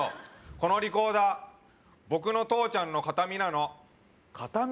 このリコーダー僕の父ちゃんの形見なの形見？